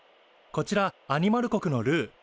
こちらアニマル国のルー。